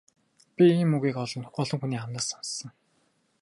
Би ийм үгийг олон хүний амнаас сонссон.